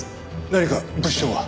何か物証は？